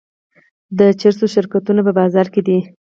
د چرسو شرکتونه په بازار کې دي.